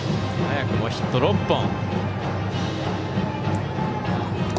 早くもヒット６本。